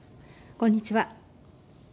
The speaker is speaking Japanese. こんにちは。